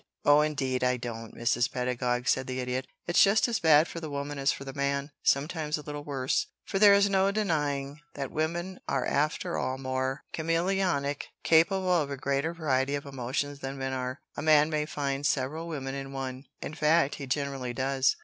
"Oh, indeed I don't, Mrs. Pedagog," said the Idiot. "It's just as bad for the woman as for the man sometimes a little worse, for there is no denying that women are after all more chameleonic, capable of a greater variety of emotions than men are. A man may find several women in one in fact, he generally does.